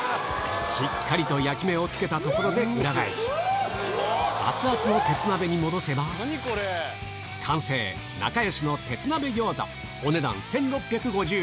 しっかりと焼き目をつけたところで裏返し、熱々の鉄鍋に戻せば、完成、なかよしの鉄鍋餃子、お値段１６５０円。